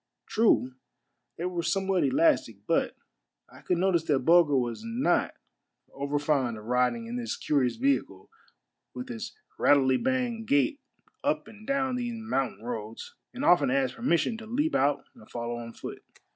True, they were somewhat elastic ; but I could notice that Bulger was not over fond of riding in this curious vehicle with its rattlety bang gait up and down these mountain roads, and often asked permission to leap out and follow on foot.